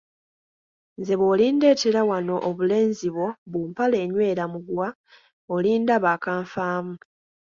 Nze bw'olindeetera wano obulenzi bwo bu mpale enywera muguwa olindaba akanfaamu.